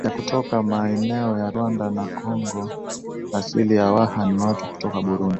ya kutoka maeneo ya Rwanda na Kongo Asili ya Waha ni watu kutoka Burundi